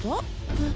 えっ？